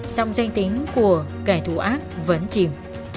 song danh tính của kẻ thù ác vẫn chìm